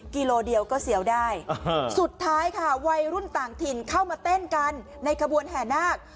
กิโลเดียวก็เสียวได้สุดท้ายค่ะวัยรุ่นต่างถิ่นเข้ามาเต้นกันในขบวนแห่นาค